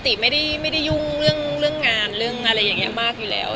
ปกติไม่ได้ยุ่งเรื่องงานเรื่องอะไรอย่างนี้มากอยู่แล้ว